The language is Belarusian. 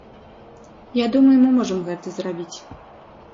Я думаю, мы можам гэта зрабіць.